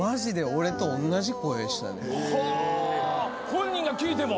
本人が聴いても。